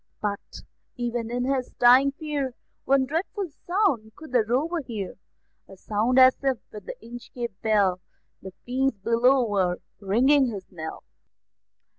But, even in his dying fear, One dreadful sound could the Rover hear, A sound as if, with the Inchcape Bell, The fiends below were ringing his knell.